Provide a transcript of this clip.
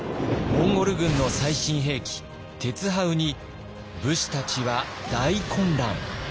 モンゴル軍の最新兵器「てつはう」に武士たちは大混乱。